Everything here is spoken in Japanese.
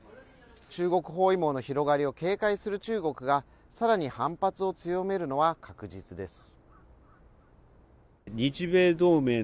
中国包囲網の広がりを警戒する中国が、更に反発を強めるのは確実です。